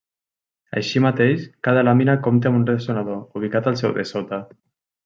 Així mateix, cada làmina compta amb un ressonador ubicat al seu dessota.